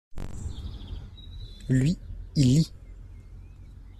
lui, il lit.